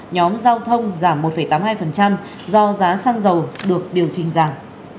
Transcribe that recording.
nhóm giao thông giảm một tám mươi hai do giá xăng dầu được điều chỉnh giảm